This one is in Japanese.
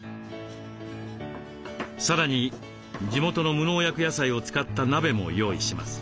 さらに地元の無農薬野菜を使った鍋も用意します。